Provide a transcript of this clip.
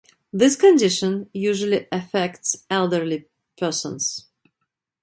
This condition usually affects elderly persons.